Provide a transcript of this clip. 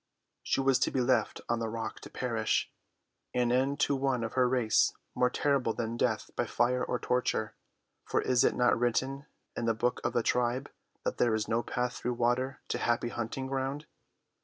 She was to be left on the rock to perish, an end to one of her race more terrible than death by fire or torture, for is it not written in the book of the tribe that there is no path through water to the happy hunting ground?